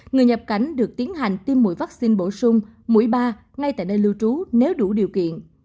người nhập cảnh được tiến hành tiêm mũi vaccine bổ sung mũi ba ngay tại nơi lưu trú nếu đủ điều kiện